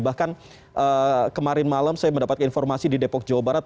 bahkan kemarin malam saya mendapatkan informasi di depok jawa barat